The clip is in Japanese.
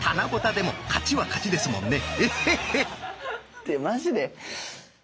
ってマジで？